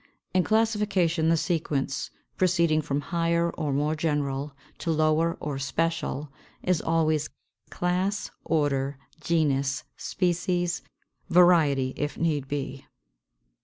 In classification the sequence, proceeding from higher or more general to lower or special, is always CLASS, ORDER, GENUS, SPECIES, VARIETY (if need be).